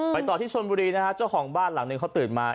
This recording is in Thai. ต่อที่ชนบุรีนะฮะเจ้าของบ้านหลังหนึ่งเขาตื่นมา